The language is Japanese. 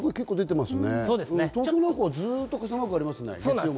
東京はずっと傘マークがありますね。